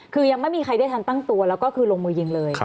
คือยังไม่มีใครได้ทันตั้งตัวแล้วก็คือลงมือยิงเลย